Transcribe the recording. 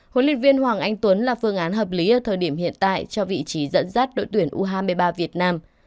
huấn luyện viên hoàng anh tuấn là phương án hợp lý ở thời điểm hiện tại cho vị trí dẫn dắt đội tuyển u hai mươi ba việt nam